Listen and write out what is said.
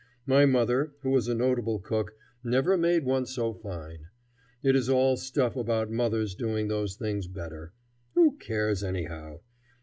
My mother, who was a notable cook, never made one so fine. It is all stuff about mothers doing those things better. Who cares, anyhow?